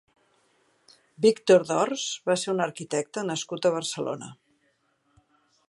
Víctor d'Ors va ser un arquitecte nascut a Barcelona.